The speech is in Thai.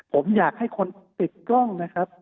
ผมอยากให้คนติดกล้องนะครับ